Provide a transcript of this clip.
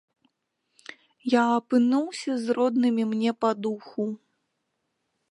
Я апынуўся з роднымі мне па духу.